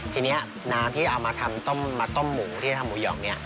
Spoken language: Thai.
ทีนี้น้ำที่เอามาต้มหมูที่ทำหมูหยองนี่